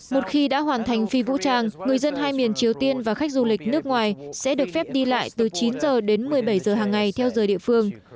một khi đã hoàn thành phi vũ trang người dân hai miền triều tiên và khách du lịch nước ngoài sẽ được phép đi lại từ chín h đến một mươi bảy giờ hàng ngày theo giờ địa phương